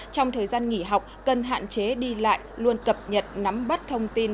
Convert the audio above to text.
trong thời gian nghỉ học cần hạn chế đi lại luôn cập nhật nắm bắt thông tin